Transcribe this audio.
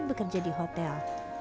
saya ingin belajar di hotel